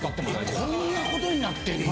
こんなことになってんの？